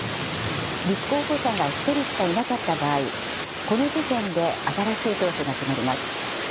立候補者が１人しかいなかった場合、この時点で新しい党首が決まります。